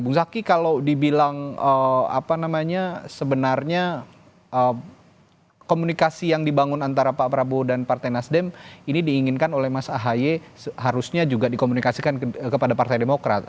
bung zaky kalau dibilang apa namanya sebenarnya komunikasi yang dibangun antara pak prabowo dan partai nasdem ini diinginkan oleh mas ahy harusnya juga dikomunikasikan kepada partai demokrat